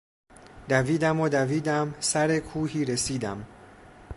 دویدم و دویدم سرکوهی رسیدم....